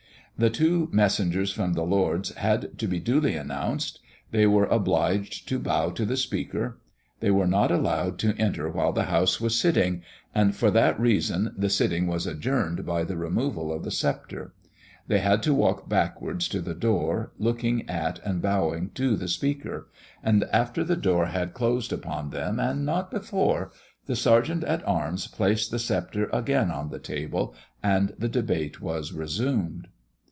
The two messengers from the Lords had to be duly announced; they were obliged to bow to the Speaker; they were not allowed to enter while the House was sitting, and for that reason the sitting was adjourned by the removal of the sceptre; they had to walk backwards to the door, looking at and bowing to the Speaker; and after the door had closed upon them, and not before, the Sergeant at Arms placed the sceptre again on the table, and the debate was resumed.